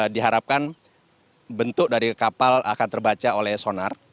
diharapkan bentuk dari kapal akan terbaca oleh sonar